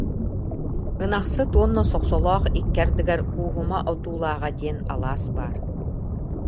Ынахсыт уонна Сохсолоох икки ардыгар Кууһума Отуулааҕа диэн алаас баар